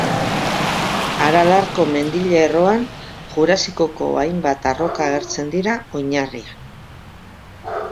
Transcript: Aralarko Mendilerroan Jurasikoko hainbat arroka agertzen dira oinarrian.